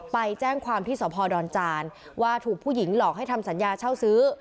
ไปแจ้งความที่สพดอนจานว่าถูกผู้หญิงหลอกให้ทำสัญญาเช่าซื้อ